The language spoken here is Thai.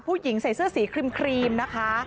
ผู้หญิงใส่เสื้อสีครีมนะคะ